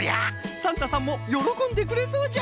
サンタさんもよろこんでくれそうじゃ。